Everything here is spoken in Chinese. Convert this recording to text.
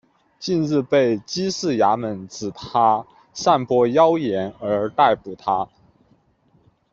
近日被缉事衙门指他散播妖言而逮捕他。